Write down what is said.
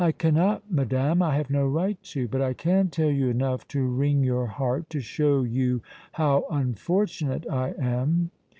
"I cannot, madame; I have no right to; but I can tell you enough to wring your heart, to show you how unfortunate I am."